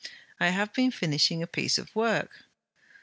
'I have been finishing a piece of work.'